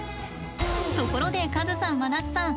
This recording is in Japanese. ところでカズさん真夏さん